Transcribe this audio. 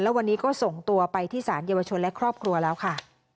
วันนี้ก็ส่งตัวไปที่สารเยาวชนและครอบครัวแล้วค่ะ